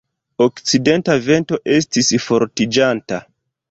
Okcidenta vento estis fortiĝanta.